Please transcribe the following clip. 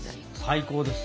最高です！